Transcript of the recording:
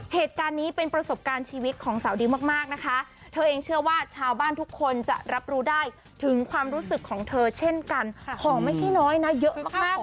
เหตุการณ์นี้เป็นประสบการณ์ชีวิตของสาวดิวมากนะคะเธอเองเชื่อว่าชาวบ้านทุกคนจะรับรู้ได้ถึงความรู้สึกของเธอเช่นกันของไม่ใช่น้อยนะเยอะมาก